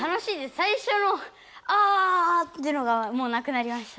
さいしょの「あ」ってのがもうなくなりました。